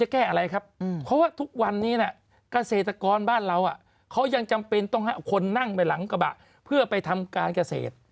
กรณ์บ้านเราเขายังจำเป็นต้องให้คนนั่งไปหลังกระบะเพื่อไปทำการเกษตร